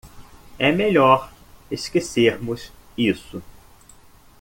É melhor esquecermos isso.